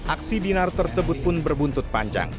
aksi dinar tersebut pun berbuntut panjang